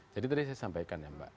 jadi tadi saya sampaikan ya mbak